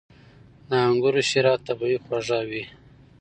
• د انګورو شیره طبیعي خوږه وي.